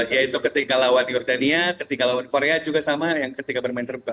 yaitu ketika lawan jordania ketika lawan korea juga sama yang ketika bermain terbuka